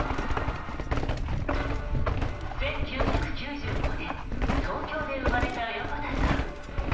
１９９５年東京で生まれた横田さん。